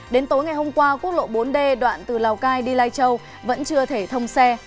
đến tối ngày hôm qua quốc lộ bốn d đoạn từ lào cai đi lai châu vẫn chưa thể thông xe